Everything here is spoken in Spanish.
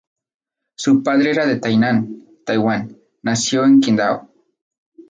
Su padre era de Tainan, Taiwán; nació en Qingdao.